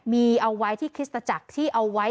มีเอาไว้ที่คริสตจักรที่เอาไว้